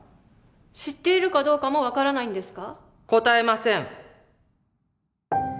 知っているかどうかも分からないんですか？